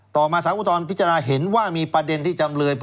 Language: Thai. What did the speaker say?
ต่อมาสารอุทธรณ์พิจารณาเห็นว่ามีประเด็นที่จำเลย